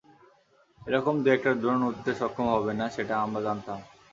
এরকম দুয়েকটা ড্রোন উড়তে সক্ষম হবে না সেটা আমরা জানতাম!